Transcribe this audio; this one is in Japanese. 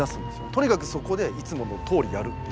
とにかくそこでいつものとおりやるっていう。